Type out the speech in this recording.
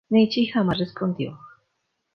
Nishi jamás respondió.